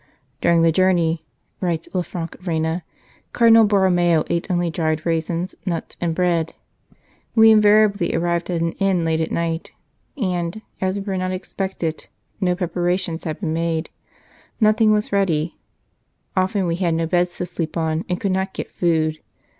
" During the journey," writes Lanfranc Reyna, " Cardinal Borromeo ate only dried raisins, nuts, and bread. We invariably arrived at an inn late at night, and, as we were not expected, no prep arations had been made, nothing was ready ; often we had no beds to sleep on, and could not get food.